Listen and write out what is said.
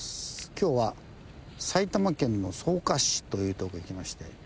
今日は埼玉県の草加市という所へ来まして。